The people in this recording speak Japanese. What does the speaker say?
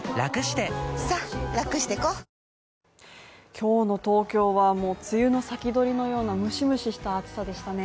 今日の東京は梅雨の先取りのようなムシムシした暑さでしたね。